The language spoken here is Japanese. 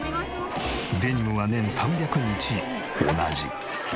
デニムは年３００日同じ。